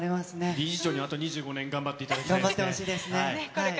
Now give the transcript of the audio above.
理事長にあと２５年頑張って頑張ってほしいですね。